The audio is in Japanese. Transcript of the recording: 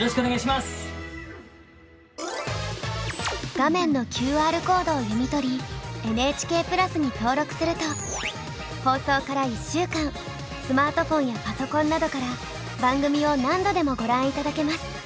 画面のＱＲコードを読み取りＮＨＫプラスに登録すると放送から１週間スマートフォンやパソコンなどから番組を何度でもご覧頂けます。